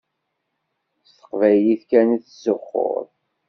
S teqbaylit kan i tettzuxxuḍ.